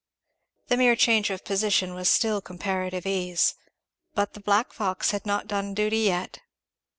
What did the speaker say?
The mere change of position was still comparative ease. But the black fox had not done duty yet.